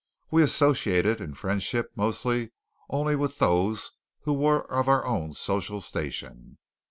We associated in friendship mostly only with those who were of our own social station.